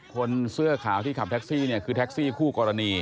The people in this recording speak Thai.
คนเสื้อขาวที่ขับแท็กซี่เนี่ยคือแท็กซี่คู่กรณี